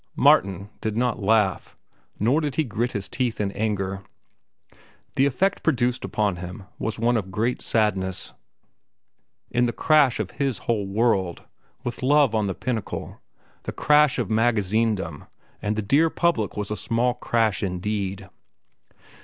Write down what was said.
Martin did not laugh; nor did he grit his teeth in anger. The effect produced upon him was one of great sadness. In the crash of his whole world, with love on the pinnacle, the crash of magazinedom and the dear public was a small crash indeed.